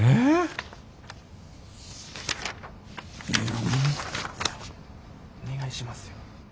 お願いしますよ。